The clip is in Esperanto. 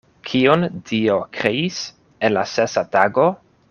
Kion Dio kreis en la sesa tago?